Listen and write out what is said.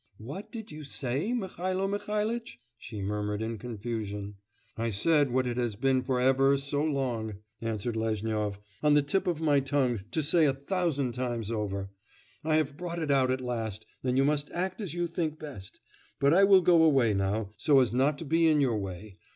'What did you say, Mihailo Mihailitch?' she murmured in confusion. 'I said what it has been for ever so long,' answered Lezhnyov, 'on the tip of my tongue to say a thousand times over. I have brought it out at last, and you must act as you think best. But I will go away now, so as not to be in your way.